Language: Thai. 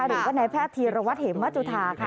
หรือว่าในแพทย์ทีระวัตเฮมมัจจุธาค่ะ